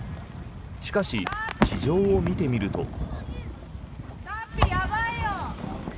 しかし、地上を見てみると。